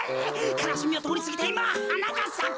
かなしみをとおりすぎていまはながさく。